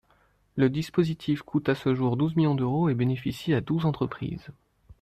Le dispositif coûte à ce jour douze millions d’euros et bénéficie à douze entreprises.